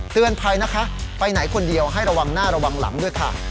เตือนภัยนะคะไปไหนคนเดียวให้ระวังหน้าระวังหลังด้วยค่ะ